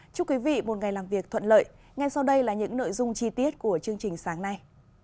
chúc quý vị một ngày làm việc thuận lợi ngay sau đây là những nội dung chi tiết của chương trình sáng nay